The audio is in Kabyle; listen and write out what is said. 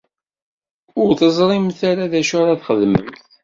Ur teẓrimt ara d acu ara txedmemt.